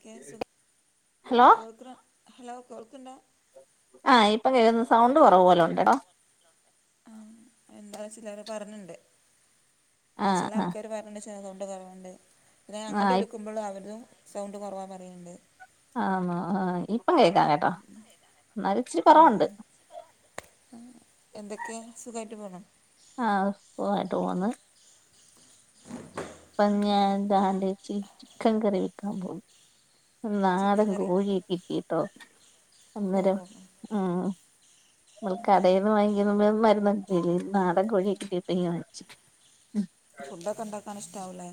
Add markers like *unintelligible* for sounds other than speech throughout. ഖ ഹലോ കേൾക്ക ഹലോ കേൾക്കണ്ടോ ആഹ് ഇപ്പം കേക്കുന്ന് സൗണ്ട് കുറവ് പോലെ ഉണ്ടെടൊ ആ എന്താ ചിലർ പറഞ്ഞിണ്ട് അ ആഹ് ചില ആഹ് ആൾക്കാാര് പറഞ്ഞണ്ട് സൗണ്ട് കുറവുണ്ട് പിന്നെ അങ്ങോട്ട് വിളിക്കുമ്പോളും അവരതും സൗണ്ട് കുറവാ പറയുന്നുണ്ട് ആ ന്നോ ആ ഇപ്പം കേൾക്കാ കേട്ടോ എന്നൽ ഇച്ചിരി കു റ വുണ്ട് എന്തൊക്കെയാ സുഖഖാ യിട്ട് പോണോ ആ സുഖായിട്ട് പോണ് പഞ്ഞന്താണ്ടേച്ചി ചിക്കൻ കറി വെക്കാൻ പോകും ഇന്ന് നാടൻ ചിക്കൻ കറി കോഴിയ കിട്ടിട്ടോ *unintelligible* ആഹ നമ്മൾ കടയിന്ന് വാങ്ങിക്ക മരുന്ന് നാടൻ കോഴിയക്കിട്ടിട്ട വങ്ങിച്ചു ഫുഡ ഒക്കെ ഉണ്ടാക്കാൻ ഇഷ്ടാവുലേ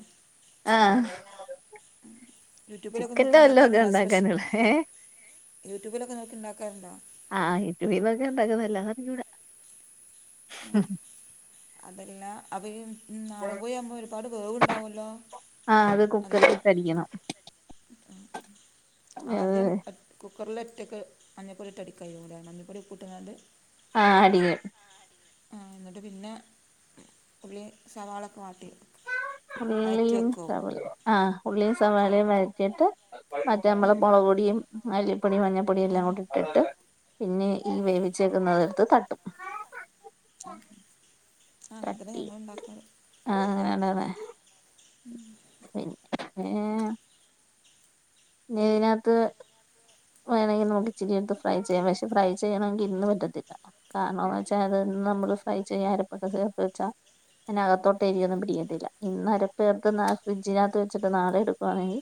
ആഹ യൂട്യൂബിലൊക്കെ നോക്കി ചിക്കന്റെ വല്ല ഒക്കെ ഉണ്ടാക്കാറുണ്ടോ സ്പെഷ്യൽ ഉണ്ടാക്കാനുള്ള ഏ യൂട്യൂബിലൊക്കെ നോക്കി ഇണ്ടാക്കാറുണ്ടോ ആഹ് യുട്യൂബിൽ നോക്കിയ ഉണ്ടാക്കുന്നെ അല്ലാദേ അറിഞ്ഞൂടാ അതെല്ലാം അവ ഉം നാടൻകോഴി ആവുമ്പോ ഒരുപാട് വേവുണ്ടാവുല്ലോ ആഹ് അത് നല്ലോണം കുക്കറിലിട്ടടിക്കണം ആദ്യം ഏഹ് കുക്കറിൽ ഒറ്റെക്ക് മഞ്ഞപ്പൊടി ഇട്ട് അടിക്കാമഞ്ഞൾപ്പൊടി ഉപ്പുട്ടാണ്ട് ആടിയ് ആ ന്നിട്ട് പിന്നെ ഉളളി സവാളൊക്കെ വാട്ടി വഴറ്റി ഉള്ളിയും വെക്കും സവാളയും ആഹ ഉള്ളിയും സവാളിയും വരത്തിയിട്ട് മറ്റേമ്മള മുളക്പൊടിയും മല്ലിപ്പൊടിയും മഞ്ഞ പൊടിയെല്ലാം കൂടെ ഇട്ടിട്ട് പിന്നെ ഈ വേവിച്ചേക്കുന്നതെടുത്ത് തട്ടും ആ അങ്ങെനെ തന്നെ ഞങ്ങളുണ്ടാക്കല് ആഹ അങ്ങനെ തന്നെ ഉം പിന്നെ ഞെതിനാത്ത് വേണങ്കി നോക്ക് ഇച്ചിരി എട്ത്ത് ഫ്രൈ ചെയ്യാം പഷേ ഫ്രൈ ചെയ്യണങ്കിൽ ഇന്ന് പറ്റത്തില്ല കാരണംന്ന് വെച്ചാൽ അത് ന്ന് നമ്മള് ഫ്രൈ ചെയ്യാ അരപ്പൊക്കെ ചേർത്ത് വെച്ചാ അതിനകത്തോട്ടേരിയൊന്നും പിടിക്കത്തില്ല ഇന്നര പേർത്ത് ഫ്രിഡ്ജിനകത്ത് വച്ചിട്ട് നാളെ എടുക്കുവാണെങ്കിൽ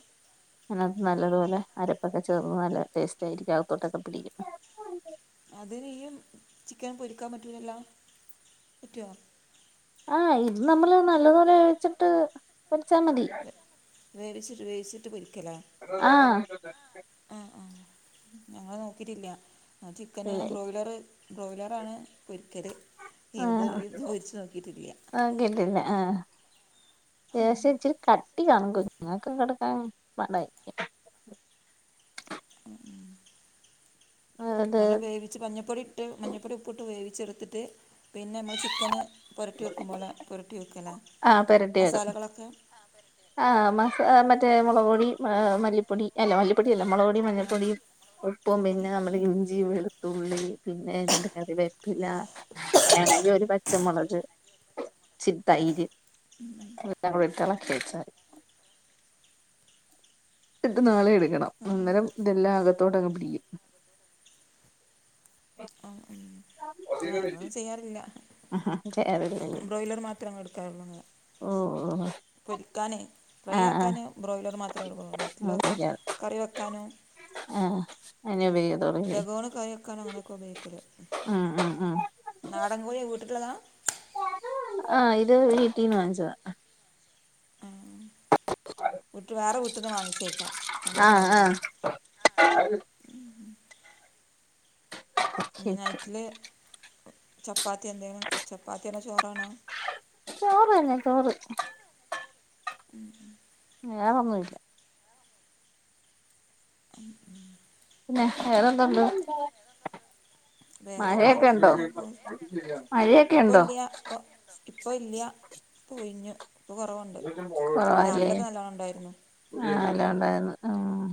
അതിനകത്ത് നല്ലതുപോലെ അരപ്പൊക്കെ ചേർന്ന് നല്ല ടേസ്റ്റ് ആയിരിക്കും അകത്തോട്ടൊക്കെ പിടിക്കും അതിന് ഇം ചിക്കൻ പൊരിക്കാൻ പറ്റൂലല്ലോ പറ്റുവോ ആഹ ഇത് നമ്മള് നല്ലതു പോലെ വേവിച്ചിട്ട് വെച്ചാ മതി വേവിച്ചിട്ട് വേവിച്ചിട്ട് പൊരിക്കലേ ആഹ ആ ആ ഞങ്ങള് നോക്കിട്ടില്ല ആ ചിക്കന് ഇല്ല ഇല്ല ബ്രോയിലർ ബ്രോയിലറാണ് പൊരിക്കല് ഇത് ആഹ് പൊരിച്ച് നോക്കിട്ടില്ല്യ നോക്കിട്ടില്ല ആഹ ദേഷ്യം യിട്ട് കട്ടി കാണും കുഞ്ഞു ങ്ങക്ക് കൊടുക്കാൻ പാടായിരിക്കും അത് നല്ല വേവിച്ച് മഞ്ഞപ്പൊടി ഇട്ട് മഞ്ഞപ്പൊടി ഉപ്പുട്ട് വേവിച്ചെടുത്ത്ട്ട് പിന്നെമ്മൾ ചിക്കന് പുരട്ടി വെക്കുമ്പോല പുരട്ടി വെക്കല ആഹ പെരട്ടിയതും ആ മസ മറ്റേ മുളക് പൊടി മല്ലിപ്പൊടി അല്ല മല്ലിപ്പൊടി അല്ല മുളക് പൊ ടി ആ മഞ്ഞപ്പൊടിയും ഉപ്പും മഞ്ഞൾപ്പൊടി പിന്നെ അമ്മള് ഇഞ്ചി ഞ്ചി വെളുത്തുള്ളി പിന്നെ രണ്ട് കറി വേപ്പില വേണേങ്കിൽ ഒരു പച്ചമുളക് ഇച്ചിരി തൈര് *unintelligible* *unintelligible* ട്ട് നാളെ എടുക്കണം അന്നേരം ഓക്കെ ഇതെല്ലാം അകത്തോട്ട അങ്ങ് പിടിക്കും അ മ് ആ ഞങ്ങളും ചെയ്യാറില്ല ചേറല്ലേ ബ്രോയ്‌ലർ മാത്രേ അങ്ങെനെ എടുക്കലുള്ളൂ ഓ ഓ പൊരിക്കാനെ ഫ്രൈ ആഹ് ആഹ് ആക്കാന് ബ്രോയ്ലർ മാത്രേ എടുലുള്ളൂ മറ്റുള്ളതൊക്കെ കറി വെക്കാനും ആഹ അയിന് ഉബയോ ലഘോൺ കറിക്കാന് അങ്ങനെയൊക്ക ഉപയോഗിക്കല്. ഉം ഉം ഉം നാടൻകോഴിയ വീട്ടില്ള്ളതാ ആഹ് ഇത് വീട്ടീന്ന് വങ്ങിച്ചതാ. ഉം വുറ്റ് വേറെ വീട്ടന്ന് വാങ്ങിച്ചേക്കാ ആഹ് വാങ്ങിച്ചതാവുലേ ആഹ് ആഹ് ആഹ് ഇ നി നൈറ്റില് ചപ്പാത്തി എന്തെലും ചപ്പാത്തില്ല ചോറാണോ? ചോറ് തന്നെ ചോറ് ഉം ഉം വേറെന്നുല്ല ഉം ഉം പിന്നെ വേറെന്തൊണ്ട്? വേറെ മഴയൊക്കെ എന്താണ് ഇണ്ടോ ഇങ്ങനെ പോകും മഴയൊക്കെ ഇണ്ടോ ഇപ്പോ ഇല്ല്യ ഇപ്പോയിഞ്ഞു ഇപ്പോകുറവുണ്ട് കുറവാല്ലേ രാവിലൊക്കെ നല്ലോണ്ണം ഉണ്ടായിരുന്നു ആഹ് അതോണ്ടായിരുന്നു ആഹ്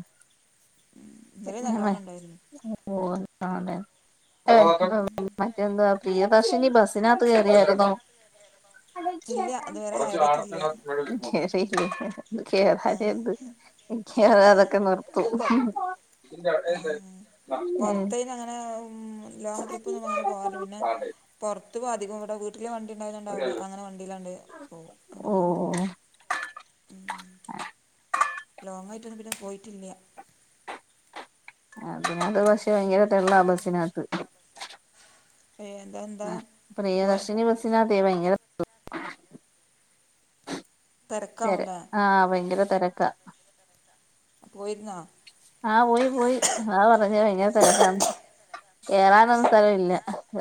ഇന്നലെയും നല്ലോണം *unintelligible* ഉണ്ടായിരുന്നു പ്രിയദർശിനിബസ്സിനകത്ത് കേറിയായിരുന്നൊ ഇല്ല ഇതുവരെ നറച്ച് ആളക്കെ കയറിയിട്ടില്ല ഉണ്ടയിരുന്നോ പെരെല് *unintelligible* കേറാനെന്ത് മിക്യവാ അതൊക്കെ നിർത്തും അപ്പോൾ *unintelligible* ഉം. പൊറ്ത്തയ്ന് അങ്ങനെ ലോങ്ങ് ട്രിപ്പൊന്നും അങ്ങനെ പോവാറില്ല പിന്നെ താഴെ പൊറത്ത് പോക അധം ഇവിടെ വീട്ടിൽ വണ്ടി ഉണ്ടായത കൊണ്ട് ഒരു അവർ ഇത്. അങ്ങനെ വണ്ടിയിലാണ്ട് പോകും അങ്ങനെ ഓ പോയതാ ഉം ലോങ് ആയിട്ടൊന്നും പിന്നെ പോയിട്ടില്ല പിന്നെ അത് പക്ഷെ ഭയങ്കര തെള്ളാ ബസ്സിനകത്ത് ഏയ് എന്താ എന്താ ആഹ് പോ പ്രിയദർശിനി ബസ്സ് ബസ്സിനകതെയ് ഭയങ്കര തിരക്കാവൂലേ ആ ഭയങ്കര തെരക്കാ പോയിരുന്നോ ആഹ് പോയി പോയി അതാ പറഞ്ഞ് ഭയങ്കര തെരക്കാന്ന് കെറാനൊന്നും സ്ഥലം ഇല്ല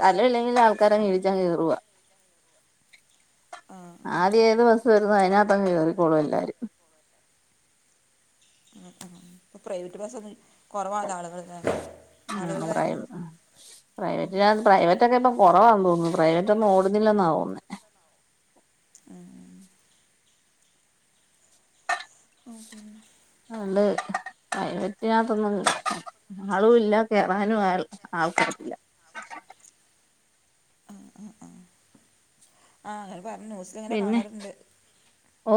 സ്ഥലം ഇല്ലെങ്കിലും ആൾക്കാരെങ്ങീടിച്ചങ്ങ് കെറുവാ ആഹ് ആദ്യം ഏത് ബസ്സ് വരുന്നു അതിനകത്ത് കയറിക്കോളും എല്ലാവരും ആഹ് ആഹ് ആഹ് ഇപ്പൊ പ്രൈവറ്റ് ബസ്സന്നും കൊറവാലോ ആളുകളൊക്കെ *unintelligible* പ്രൈവറ്റിനകത്ത് പ്രൈവറ്റൊക്കെ ഇപ്പം കൊറവാന്ന് തോന്നുന്നു പ്രൈവറ്റ് ഒന്നും ഓടുന്നില്ലെന്ന തോന്നുന്നെ ഉം ഉം ഉം *unintelligible* ആളും ഇല്ല കേറാനും ആൾ ആൾക്കാരില്ല ആഹ് ആഹ് ആഹ് ആഹ് അങ്ങനെ പറഞ്ഞു ന്യൂസ്സില് ഇങ്ങനെ പിന്നെ കാണാറ്ണ്ട് ഓ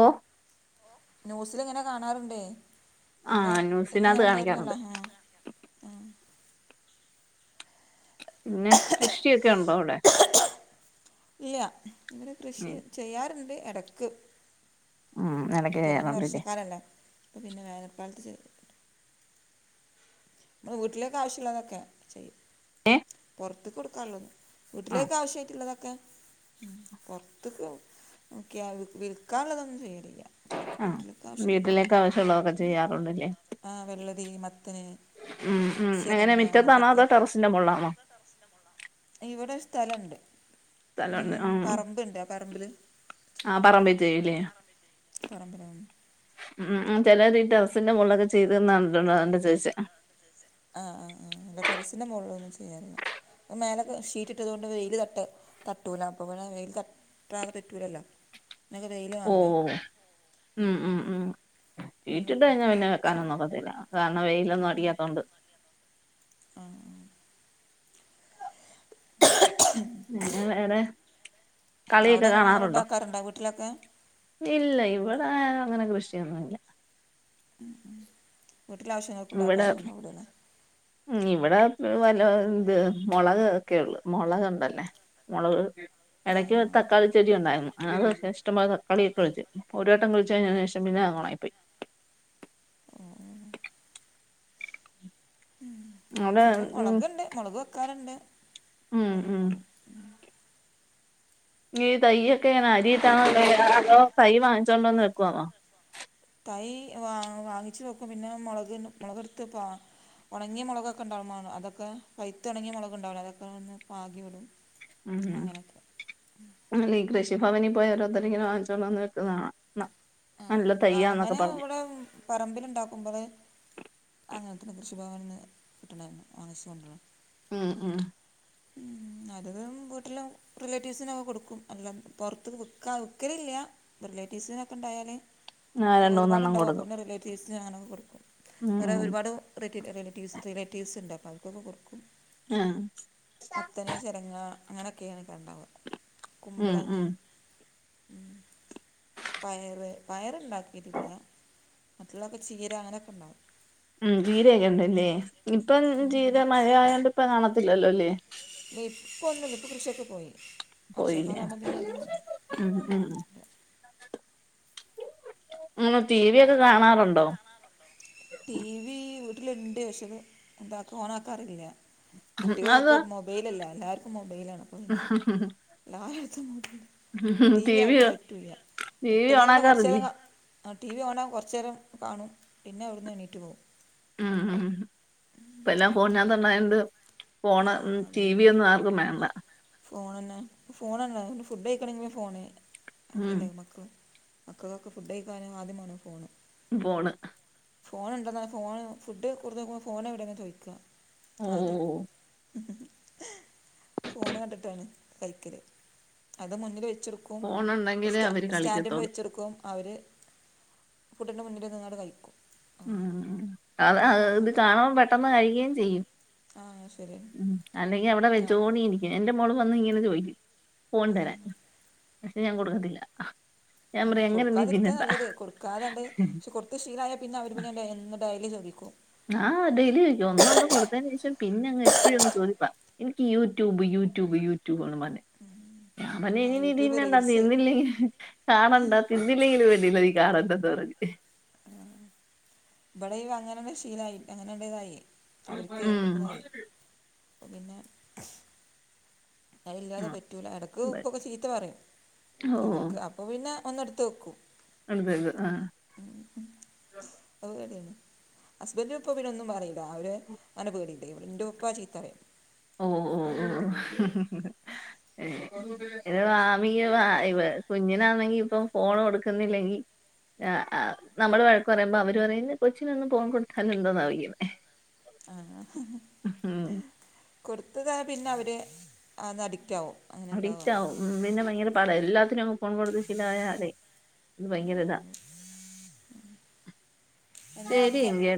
ന്യൂസില് ഇങ്ങനെ കാണാറുണ്ടേ ആ ഇന്ന് ന്യൂസിനകത്ത് ഇന്നങ്ങനെ കാണിക്കാറുണ്ട് ഉണ്ടായിരുന്നല്ലോ ഹെ ആഹ് പിന്നെ കൃഷിയൊക്കെ ഉണ്ടോ അവിടെ ഇല്ല്യാ ഇവിടെ കൃഷി ചെയ്യാറ്ണ്ട് എടക്ക് ഉം ഇടക്ക് ഇപ്പൾ പിന്നെ ചെയ്യാറുണ്ടല്ലേ വർഷക്കാലല്ലെ ഇപ്പൾ പിന്നെ വേനൽക്കാലത്ത് ഇമ്മളവീട്ടിലേക്ക് ആവശ്യള്ളതൊക്കെ ചെയ്യും എ പൊറ്ത്ത്ക്ക്കൊടുക്കാള്ളത് വീട്ടിലേക്ക് ആവശ്യായിട്ടുള്ളതൊക്കെ പൊറ്ത്ത്ക്ക് നോക്കിയാൽ വിൽക്കാനുള്ളതൊന്നും ചെയ്യലില്ല ആ വീട്ടിലൊക്കെ ആവശ്യള്ള വീട്ടിലേക്ക് ആവശ്യമുള്ളതൊക്കെ ചെയ്യാറുണ്ടല്ലേ ആഹ് വെള്ളരി മത്തന് ഉം ഉം എങ്ങനെ ചിരങ്ങ മിറ്റത്താണോ അങ്ങനത്തൊക്കെ അതോ ടെറസിന്റെ മോള്ളാണോ ഇവിടെ സ്ഥലണ്ട് ഉം പറമ്പ്ണ്ട് പറമ്പില് ആ പറമ്പി പറമ്പിലാന്ന് ഉം ചിലതി ടൊസിന്റെ മോള്ളക്കെ ചെയ്തന്നണ്ടോ അതോണ്ടാ ചോദിച്ചെ ആഹ് ആഹ് ആഹ് ഇല്ല ടെറസിന്റെ മൊള്ലൊന്നും ചെയ്യാറില്ല പ്പ മേലൊക്കെ ഷീറ്റ്ട്ടതൊണ്ട് വെയിൽ തട്ടുതട്ടൂല അപ്പ പിന്നെ വെയിൽ ത *unintelligible* ഓ ഓ വേണ്ടേ ഓ മ് മ് മ് പിന്നെ സീറ്റ്ട്ട് പറ്റൂല കഴിഞ്ഞപിന്നെ വെക്കാനൊന്നൊക്കത്തില്ല കാൺന്ന വെയിലൊന്നും അടിയാത്തൊണ്ട് *unintelligible* പിന്ന വേറെ കളിയൊക്കെ അവിടങ്ങനെ നിങ്ങൾ കാണാറുണ്ടോ ഇണ്ടാക്കാറ്ണ്ട വീട്ടിലൊക്കെ ഇല്ല ഇവിടെങ്ങനെ അങ്ങനെ കൃഷിയൊന്നുല്ല ഉം ഉം വീട്ടില ആവശ്യങ്ങൾക്ക് ഇവിടെ ഇണ്ടാക്കാറ് ഉണ്ടാവൂല ലെ ഉം ഇവടെ വല ഇത് മുളക് ഒക്കെള്ളു മുളക്ണ്ടല്ലേ മുളക് ആ എടയ്ക്ക് ആ തക്കാളി ചെടി ഉണ്ടായിരുന്നു. അത് ഇഷ്ടം പോലെ തക്കാളി കിട്ടുകേം ചെയ്യും. ഒരു വട്ടം കുഴിച്ചു കഴിഞ്ഞേനേഷം പിന്നെ അങ്ങ് ഉണങ്ങിപ്പോയി. *unintelligible* ഉം അവിടെ ഇവിടെ ഉം മുളക്ണ്ട് മുളക് വെക്കാറുണ്ട് ഉം ഉം *unintelligible* ഈ തയ്യൊക്കെങ്ങനാ അരീത്താണോ അതോ തൈ വാങ്ങിച്ചോണ്ടോന്ന് വെക്കുവാന്നോ തൈ വാ വാങ്ങിച്ചു വെക്കും പിന്നെ മുളക് മുളക് എടുത്ത് പ ഉണങ്ങിയ മുളകൊക്കെ ഉണ്ടാവുമ്മോണ് അതൊക്കെ പൈത്തുണങ്ങിയ മുളക് ഇണ്ടാവുലെ അതൊക്കെന്ന് പാകി വിടും ഉം ഉം അങ്ങനെയൊക്കെ അല്ല ഈ കൃഷിഭവനിൽ പോയി ഓരോരുത്തരിങ്ങനെ വാങ്ങിച്ചുകൊണ്ടൊന്ന് വെക്കുന്നെ കാണാം ആഹ് നല്ല ആഹ്‌ തയ്യാന്നൊക്കെ അങ്ങനെ പറഞ്ഞു ഇവിടെ പറമ്പില് ഇണ്ടാക്കുമ്പള് അങ്ങൻതന്നെ കൃഷി ഭവൻന്ന് കിട്ട്ണെ വാങ്ങിച്ച് കൊണ്ടെരും. ഉം ഉം ഉം അത് വീട്ട്ലും റിലേറ്റീവ്സിനൊക്കെ കൊടുക്കും അല്ല പുറത്ത്ക് വിക്കാ വിക്കലില്ല റിലേറ്റീവ്സിനൊക്കെ ഇണ്ടായാല് ആ ഒക്കെ രണ്ട് മൂന്നെണ്ണം ഒരുപാട്ണ്ടാവും അപ്പൊ കൊടുക്കും പിന്ന റിലേ റ്റീവ്സ് അങ്ങനൊക്കെ കൊടുക്കും. ഉം വേറെ ഉം ഒരുപാട് റീറ്റേൽ റിലേറ്റീസ് റിലേറ്റീവ്സ്ണ്ട് അപ്പോ അവർക്കൊക്കെ കൊടുക്കും. ആഹ് മത്തന് ചിരങ്ങ അങ്ങനെയൊക്കെയാണ് ഇണ്ടാവുക ഉം കുമ്പളങ്ങ ഉം ഉം പയറ് പയറുണ്ടാക്കിട്ടില്ല, മറ്റുള്ളൊക്കെ ചീര അങ്ങനെയൊക്കെണ്ടാവും ഉം ജീരയൊക്കെ ഉണ്ടല്ലേ ഇപ്പം ജീര മഴ ആയോണ്ട് ഇപ്പ കാണത്തില്ലല്ലോ ലെ ഇപ്പൊന്നുല്ല ഇപ്പ കൃഷിയൊക്കെ പോയി പോയില്ല വർഷക്കാലം ആകുമ്പോൾ പിന്നെ അധികം ഉം ഉം ഇല്ല നിങ്ങ ടി വി ഒക്കെ കാണാറുണ്ടോ? ടി വി വീട്ടിലിണ്ട്. പക്ഷത് എന്താക്കൂ ഓണാക്കാറില്ല. അത് കുട്ടികളൊക്കെ മൊബൈലല്ലേ എല്ലാർക്കും മൊബൈലാണ് അപ്പൊ പിന്നെ *unintelligible* ടി വി ആർക്കും പറ്റൂല്ല ടി വി ഇട്ട്ക്ക്ണെ തന്നെ കൊർചേരം ഓണാക്കാറില്ലേ ക ആ ടി വി കാണും കുറച്ചേരം കാണും പിന്നെ അവിടുന്ന് എണീറ്റ്പോവും ഉം ഉം ഇപ്പ എല്ലാം അങ്ങനെ ഫോണിനാത്തന്നായോണ്ട് ആ ഫോണ് മഉം ടി വി ഒന്നും ആർക്കും വേണ്ട ഫോണന്നെ ഫോണന്നെ ഫുഡ് കഴിക്കണങ്കിലും ഫോണ്. ഉം ലക്കല്ലേ ലക്ക് മക്കളൊക്കെ ഫുഡ് കഴിക്കാന് ആദ്യം മാണം ഫോണ് ഖാണ് ഫോണ് ഉണ്ടെന്ന ഫോണ് ഫുഡ് കൊടുത്ത്ക്കുമ്പോ ഫോണ് എവിടെന്നാ ചോയ്ക ഓ ആദ്യം മ്മ്ഹ് ഹ് ഫോണ് കണ്ടിട്ടാണ് കൈക്കല് അത് മുന്നില് വെച്ചിടുക്കും ക്കും ഫോണുണ്ടെങ്കിലേ സ് അവര് സ്റ്റാൻഡ്മ്മേ കളിക്കത്തോളൂ വെച്ചടക്കും അവര് പുട്ടിൻ്റെ മുന്നില് നിന്നാണ്ട് കഴിക്കും ആ മ്മ്ഹ് അത് ഫോണും ഇത് കാണൻ പെട്ടെന്ന് കഴുകയും ചെയ്യും ആഹ് ശരി അല്ലെങ്കി അവിടെ വച്ചോണ്ടിരിക്കും എന്റെ മോള് വന്നിങ്ങനെ ചോയിക്കും ഫോൺ തരാൻ പക്ഷെ ഞാൻ കൊടുക്കത്തില്ല ഞാൻ പറയും അങ്ങനെ നീ കൊടുക്കാതിരിക്കാ തിന്നണ്ട നല്ലത് കൊടുക്കാതണ്ട് പക്ഷെ കൊ ടുത്ത് ശീലായ പിന്നെ അവർ പിന്നെ എന്നും ഡയലി ചോദിക്കും ആഹ് ഡെയിലി ചോക്കു ഒന്ന ഒന്ന് കൊടുത്തതിന് ശേഷം പിന്നങ് എപ്പോഴും ഒന്നന്ന് ചോദിപ്പാ എനിക്ക് യൂട്യൂബ് യൂട്യൂബ് യൂട്യൂബ്വാണം പറഞ്ഞ ന്നെ ആ ഇ യൂട്യൂബ് നീതിന്നണ്ടാ റീൽസ് തിന്നില്ലെങ്കിൽ കാണണ്ട തി ല്ലെങ്കിലും വേണ്ടില്ല ഈ കാണേണ്ടാന്ന് പറഞ് ആ ഇവിടെ അങ്ങനെ ശീലായി അങ്ങനണ്ടേതായി അവർക്ക് ഉം ഏടുപ്പതായി പിന്നെ അതില്ലാതെ ആ. പറ്റൂല ഇടയ്ക്ക് ഉപ്പൊക്കെ ചീത്ത പറയും ഓ ഇടയ്ക്ക് അപ്പോ പിന്നെ ഒന്ന് എടുത്ത് വയ്ക്കും അതത് ആ ആഹ് കാര്യാണ് ഹസ്ബൻഡ് ഇപ്പൊ പിന്നെ എന്നും പറയും അവര് അന പേടിണ്ട് ഇടെ എന്റെറെ ഉപ്പ ചീത്തറയും ഓ ഓ ഓ ഇ വാമി ഇ വ കുഞ്ഞിനാന്നെങ്കി ഇപ്പം ഫോൺ കൊടുക്കുന്നില്ലെങ്കിൽ ആ നമ്മള് വഴക്ക് പറയുമ്പോ അവര് പറയു കൊച്ചിനൊന്നും ഫോൺ കൊടുത്താൽ എന്താറിയും ഉം കൊടുത്തത പിന്നെ അവർ അത് അഡിക്റ്റ് ആവും അങ്ങനെ ഉണ്ടാവുക അഡിക്റ്റ് ആകും പിന്നെ ഭയങ്കര പാട ആഹ് എല്ലാത്തിനും അങ്ങ് ഫോൺ കൊടുത്ത് ശീലായാലെ അത് ഭയങ്കര ഇതാ എന്ന ശരി ഒക്കെ എങ്കി